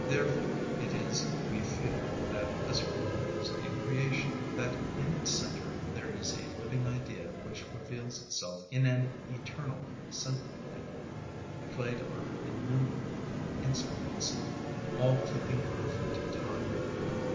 Therefore it is we feel that this world is a creation; that in its centre there is a living idea which reveals itself in an eternal symphony, played on innumerable instruments, all keeping perfect time.